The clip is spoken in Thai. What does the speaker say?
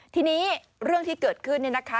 ทีนี้เรื่องที่เกิดขึ้นเนี่ยนะคะ